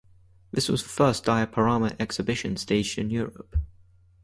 This was the first Diaporama exhibition staged in Europe.